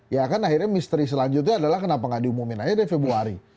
ya kan akhirnya misteri selanjutnya adalah kenapa nggak diumumin aja dari februari